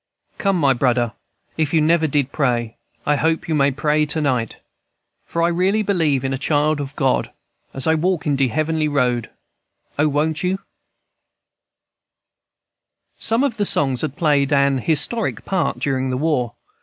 "Come, my brudder, if you never did pray, I hope you may pray to night; For I really believe I'm a child of God As I walk in de heavenly road. O, won't you," &c. Some of the songs had played an historic part during the war.